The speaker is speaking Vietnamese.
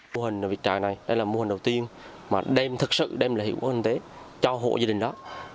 mô hình vịt trời này đây là mô hình đầu tiên mà đem thực sự đem lại hiệu quả kinh tế cho hộ gia đình đó